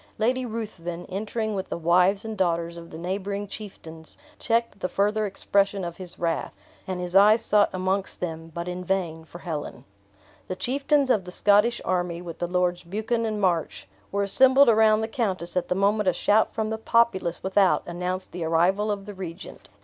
Lady Ruthven, entering with the wives and daughters of the neighboring chieftains, checked the further expression of his wrath, and his eyes sought amongst them, but in vain, for Helen. The chieftains of the Scottish army, with the Lords Buchan and March, were assembled around the countess at the moment a shout from the populace without announced the arrival of the regent.